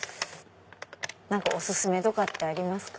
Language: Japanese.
何かお薦めとかってありますか？